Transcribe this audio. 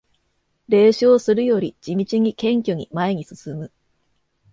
冷笑するより地道に謙虚に前に進む